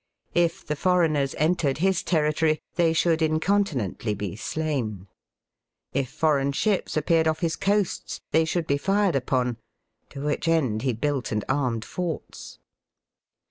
If the foreigners entered his territory, they should incontinently be slain. If foreign ships appeared off his coasts, they should be fired upon; to which end he bmlt and armed forts.